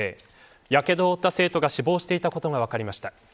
やけどを負った生徒が死亡していたことが分かりました。